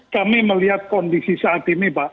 kami melihat kondisi saat ini pak